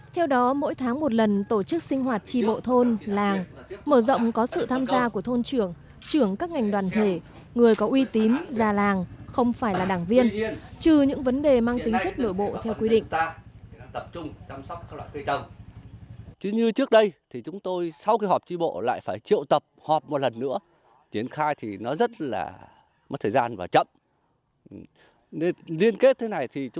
theo đó mỗi tháng một lần tổ chức sinh hoạt tri bộ thôn làng mở rộng có sự tham gia của thôn trưởng trưởng các ngành đoàn thể người có uy tín già làng không phải là đảng viên trừ những vấn đề mang tính chất nội bộ theo quy định